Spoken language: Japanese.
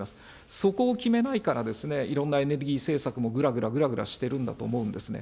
そこを決めないから、いろんなエネルギー政策もぐらぐらぐらぐらしてるんだと思うんですね。